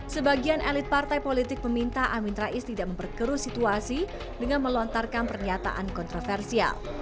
sebagian elit partai politik meminta amin rais tidak memperkeruh situasi dengan melontarkan pernyataan kontroversial